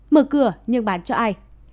mở cửa nhưng bán cho ai